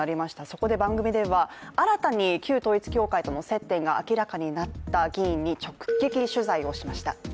そこで番組では新たに旧統一教会との接点が明らかになった議員に直撃取材をしました。